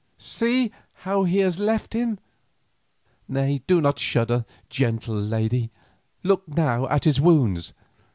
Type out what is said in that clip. See how he has left him. Nay, do not shudder, gentle lady; look now at his wounds!